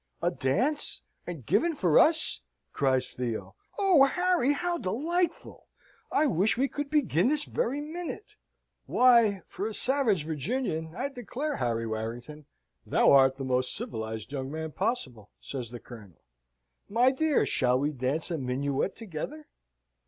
"A dance, and given for us!" cries Theo. "Oh, Harry, how delightful! I wish we could begin this very minute!" "Why, for a savage Virginian, I declare, Harry Warrington, thou art the most civilised young man possible!" says the Colonel. "My dear, shall we dance a minuet together?"